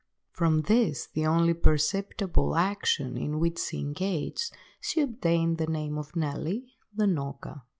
From this, the only perceptible action in which she engaged, she obtained the name of Nelly, the Knocker.